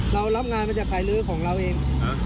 เรารับงานมาจากใครลื้อของเราเอง